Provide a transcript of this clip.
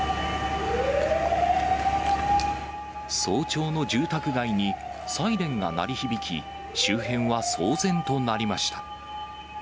早朝の住宅街に、サイレンが鳴り響き、周辺は騒然となりました。